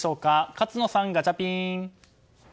勝野さん、ガチャピン！